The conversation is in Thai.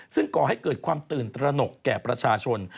ซึ่งก่อให้เกิดความตื่นตระหนกแก่ประชาชน